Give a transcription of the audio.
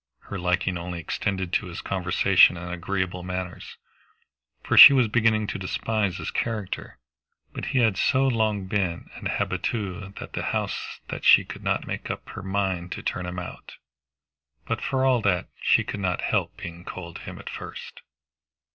Her liking only extended to his conversation and agreeable manners, for she was beginning to despise his character; but he had so long been an habitué about the house that she could not make up her mind to turn him out. But for all that, she could not help being cold to him at first.